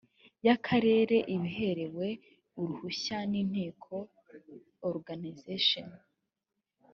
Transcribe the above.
y akarere ibiherewe uruhushya n inteko organization